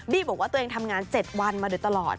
บอกว่าตัวเองทำงาน๗วันมาโดยตลอด